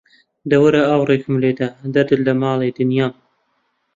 دە وەرە ئاوڕێکم لێدە، دەردت لە ماڵی دنیام